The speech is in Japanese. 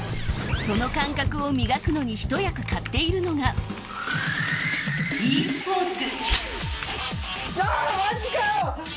その感覚を磨くのに一役買っているのがｅスポーツ。